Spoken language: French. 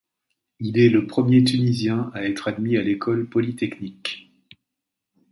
Il est le premier Tunisien à être admis à l'École polytechnique.